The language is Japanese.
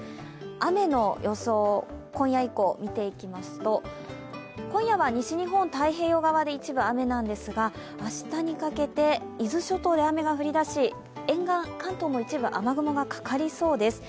雨の予想、今夜以降見ていきますと今夜は西日本、太平洋側で一部、雨なんですが、明日にかけて伊豆諸島で雨が降り出し、沿岸、関東の一部、雨雲がかかりそうです。